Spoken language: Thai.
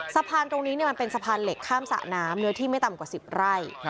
สะพานตรงนี้มันเป็นสะพานเหล็กข้ามสระน้ำเนื้อที่ไม่ต่ำกว่า๑๐ไร่